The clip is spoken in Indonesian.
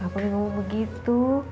kenapa lo begitu